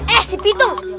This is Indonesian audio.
eh si pitung